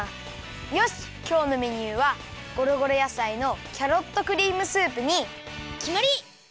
よしきょうのメニューはごろごろやさいのキャロットクリームスープにきまり！